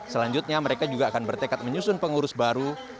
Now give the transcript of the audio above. selanjutnya mereka juga akan bertekad menyusun pengurus baru